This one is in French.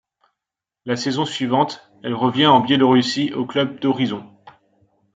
La saison suivante, elle revient en Biélorussie au club d'Horizont.